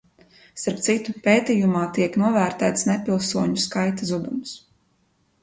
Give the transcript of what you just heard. Starp citu, pētījumā tiek novērtēts nepilsoņu skaita zudums.